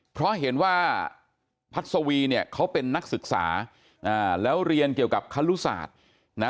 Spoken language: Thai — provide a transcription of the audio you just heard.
เพราะเห็นว่าพัศวีเนี่ยเขาเป็นนักศึกษาแล้วเรียนเกี่ยวกับครุศาสตร์นะ